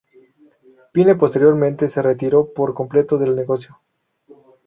Pine posteriormente se retiró por completo del negocio.